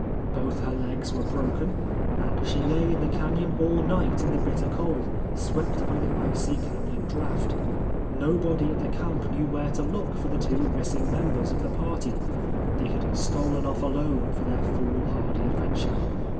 Both her legs were broken, and she lay in the canyon all night in the bitter cold, swept by the icy canyon draught. Nobody at the camp knew where to look for the two missing members of the party, — they had stolen off alone for their foolhardy adventure.